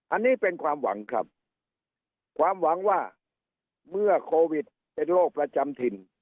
อันนี้เป็นความหวังครับความหวังว่าเมื่อโควิดเป็นโรคประจำถิ่น